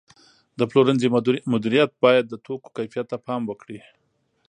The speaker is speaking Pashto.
د پلورنځي مدیریت باید د توکو کیفیت ته پام وکړي.